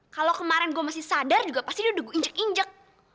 kalo kemarin gue masih sadar juga pasti udah gue injek injek